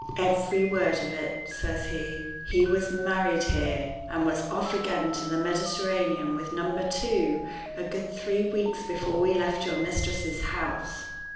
"Every word of it," says he. "He was married here, and was off again to the Mediterranean with Number Two a good three weeks before we left your mistress's house.